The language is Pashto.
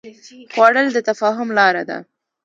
خوړل د تفاهم لاره ده